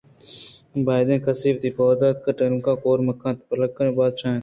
بائدیں کس وتی پودوک ءِ ٹیلگاں کور مہ کنت پُگلانی بادشاہ پُگُل